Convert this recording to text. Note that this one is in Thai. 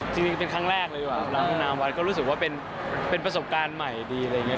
จริงเป็นครั้งแรกเลยว่ะล้างห้องน้ำวัดก็รู้สึกว่าเป็นประสบการณ์ใหม่ดีอะไรอย่างนี้